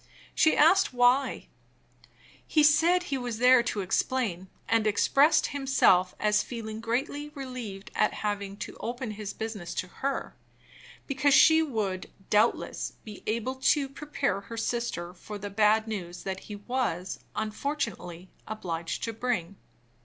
She asked why. He said he was there to explain; and expressed himself as feeling greatly relieved at having to open his business to her, because she would, doubtless, be best able to prepare her sister for the bad news that he was, unfortunately, obliged to bring.